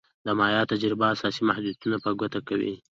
د مایا تجربه اساسي محدودیتونه په ګوته کوي.